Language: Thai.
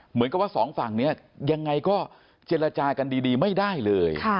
เหมือนกับว่าสองฝั่งนี้ยังไงก็เจรจากันดีไม่ได้เลย